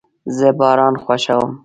زه باران خوښوم